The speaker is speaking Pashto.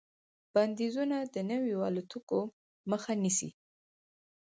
بندیزونه د نویو الوتکو مخه نیسي.